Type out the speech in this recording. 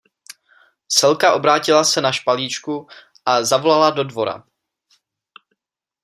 Selka obrátila se na špalíčku a zavolala do dvora.